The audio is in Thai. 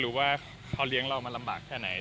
ในการเลี้ยงเรามันรำบากขนาดไหน